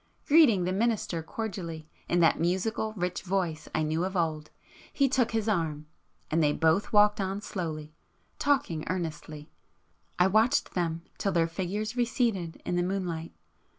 Greeting the minister cordially, in that musical rich voice I knew of old, he took his arm,—and they both walked on slowly, talking earnestly. I watched them till their figures receded in the moonlight